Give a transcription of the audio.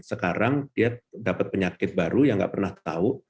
sekarang dia dapat penyakit baru yang nggak pernah tahu